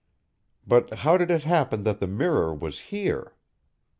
But how did it happen that the mirror was here?